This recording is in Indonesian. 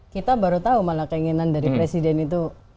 kita baru tahu malah keinginan dari presiden itu